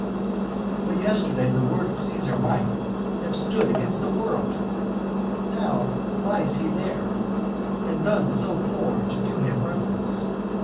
But, yesterday the word of Cæsar might Have stood against the world, now lies he there, And none so poor to do him reverence.